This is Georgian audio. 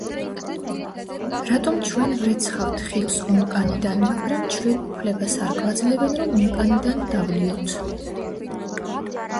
რატომ ჩვენ ვრეცხავთ ხილს ონკანიდან მაგრამ ჩვენ უფლებას არ გვაძლევენ რომ ონკანიდან დავლიოთ.